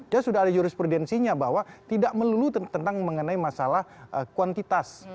jadi sudah ada jurisprudensinya bahwa tidak melulu tentang mengenai masalah kuantitas